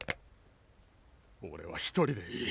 俺は１人でいい。